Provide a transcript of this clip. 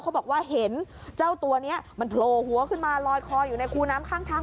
เขาบอกว่าเห็นเจ้าตัวนี้มันโผล่หัวขึ้นมาลอยคออยู่ในคูน้ำข้างทาง